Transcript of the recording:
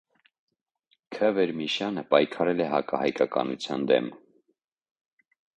Ք. Վերմիշյանը պայքարել է հակահայկականության դեմ։